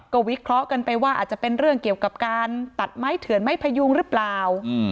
ก็วิเคราะห์กันไปว่าอาจจะเป็นเรื่องเกี่ยวกับการตัดไม้เถื่อนไม้พยุงหรือเปล่า